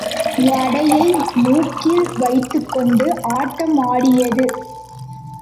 வடையை மூக்கில் வைத்துக்கொண்டு ஆட்டம் ஆடியது.